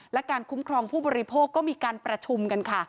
และการคุ้มครองผู้บริโภคก็มีการประชุมกันค่ะ